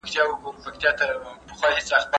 د طلاق محل.